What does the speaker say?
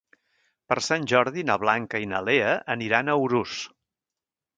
Per Sant Jordi na Blanca i na Lea aniran a Urús.